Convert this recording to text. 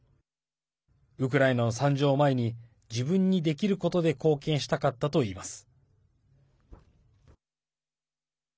ウクライナの惨状を前に自分にできることで貢献したかったといいます。